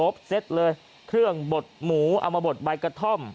น้ำใบกระท่อมครบเซตเลยเครื่องบดหมูเอามาบดใบกระท่อม